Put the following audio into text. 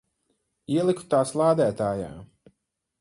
Ieliku tās lādētājā.